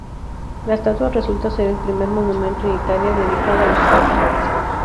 La estatua resulta ser el primer monumento en Italia dedicada a los trabajadores.